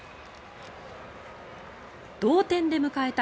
同点で迎えた